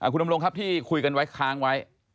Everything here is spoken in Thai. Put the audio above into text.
คุณดำรงครับที่คุยกันไว้ค้างไว้